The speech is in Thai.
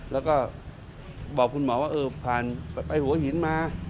แล้วก็บอกคุณหมอว่าเออผ่านไปหัวหินมา